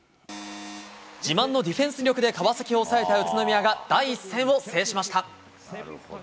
自慢のディフェンス力で川崎を抑えた宇都宮が、第１戦を制しました。